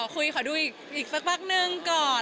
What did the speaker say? ขอดูอีกสักพักนึงก่อน